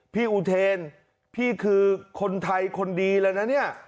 พี่อุเทนพี่คือคนไทยคนดีแล้วนะเนี่ย